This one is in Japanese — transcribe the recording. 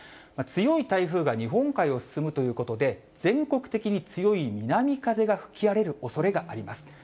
強い台風が日本海を進むということで、全国的に強い南風が吹き荒れるおそれがあります。